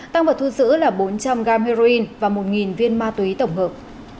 tăng vật thu giữ là bốn trăm linh gram heroin và một viên ma túy tổng hợp